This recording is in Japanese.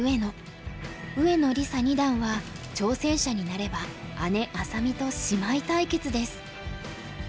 上野梨紗二段は挑戦者になれば姉愛咲美と姉妹対決です。